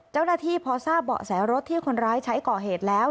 เจ้าหน้าที่พอทราบเบาะแสรถที่คนร้ายใช้ก่อเหตุแล้ว